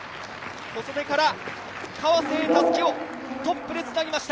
小袖から川瀬へとたすきをトップでつなぎました。